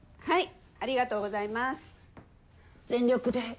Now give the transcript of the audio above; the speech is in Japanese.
はい。